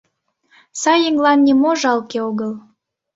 Сай еҥлан нимо жалке огыл.